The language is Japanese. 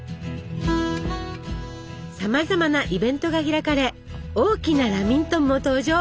さまざまなイベントが開かれ大きなラミントンも登場！